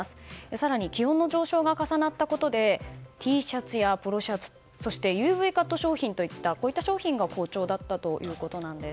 更に、気温の上昇が重なったことでＴシャツやポロシャツそしてＵＶカット商品といったこういった商品が好調だったということです。